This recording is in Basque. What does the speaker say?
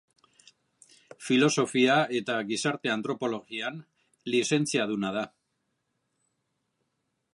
Filosofia eta Gizarte Antropologian lizentziaduna da.